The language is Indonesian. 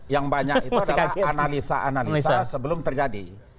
yang banyak itu adalah analisa analisa sebelum terjadi